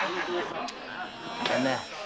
旦那